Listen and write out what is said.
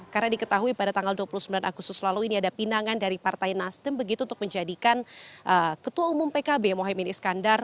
karena diketahui pada tanggal dua puluh sembilan agustus lalu ini ada pinangan dari partai nasdem begitu untuk menjadikan ketua umum pkb mohaimin iskandar